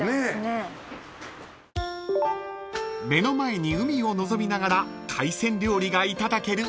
［目の前に海を望みながら海鮮料理がいただける］